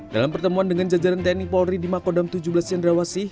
dalam pertemuan dengan jajaran tni polri di makodam tujuh belas cendrawasih